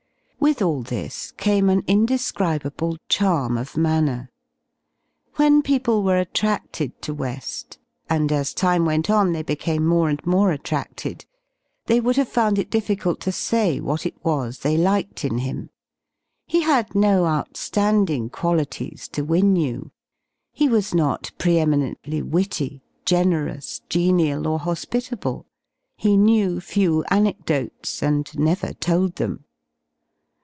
JVithall this came an indescribable charmof manner. When people were attraded to WeH — and as time went on they became more and more attraded — they would have found it difficultto say what it was they liked in him. Hehadno outiiandingqualities Cto win you. He was not pre eminently witty, generous, genial, or hospitable. He knew few anecdotes, and never told them.